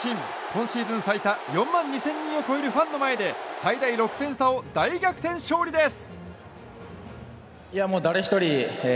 今シーズン最多４万２０００人を超えるファンの前で最大６点差を大逆転勝利です！